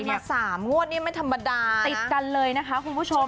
๓งวดนี้ไม่ธรรมดาติดกันเลยนะคะคุณผู้ชม